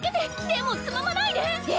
でもつままないで！